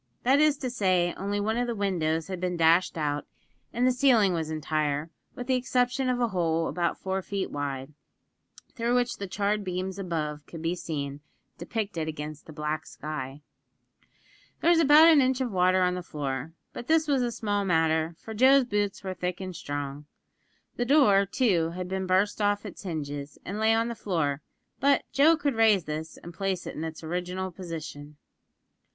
That is to say, only one of the windows had been dashed out, and the ceiling was entire, with the exception of a hole about four feet wide, through which the charred beams above could be seen depicted against the black sky. There was about an inch of water on the floor; but this was a small matter, for Joe's boots were thick and strong. The door, too, had been burst off its hinges, and lay on the floor; but Joe could raise this, and place it in its original position.